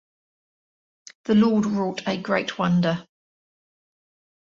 The Lord wrought a great wonder.